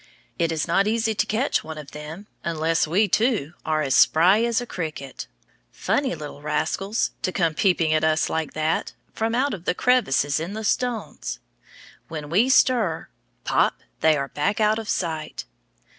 It is not easy to catch one of them unless we, too, are "as spry as a cricket." Funny little rascals, to come peeping at us like that, from out the crevices in the stones. When we stir, pop! they are back out of sight.